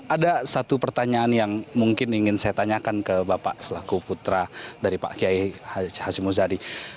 ada satu pertanyaan yang mungkin ingin saya tanyakan ke bapak selaku putra dari pak kiai haji muzadi